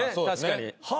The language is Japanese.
確かに。